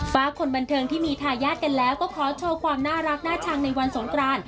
ฟ้าคนบันเทิงที่มีทายาทกันแล้วก็ขอโชว์ความน่ารักน่าชังในวันสงกราน